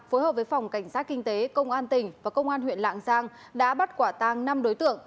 phối hợp với phòng cảnh sát kinh tế công an tỉnh và công an huyện lạng giang đã bắt quả tăng năm đối tượng